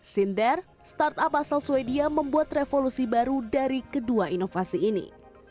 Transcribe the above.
sinder startup asal swedia membuat revolusi baru dari kedua inovasi ini